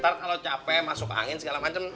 ntar kalau capek masuk angin segala macam